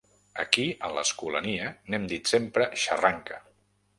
Aquí a l'Escolania n'hem dit sempre xarranca.